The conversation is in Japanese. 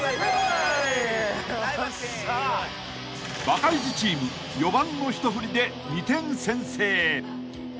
［バカイジチーム４番の一振りで２点先制］